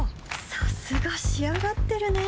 さすが仕上がってるね